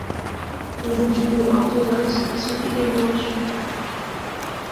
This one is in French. Des étudiants orthodoxes y sont également reçus.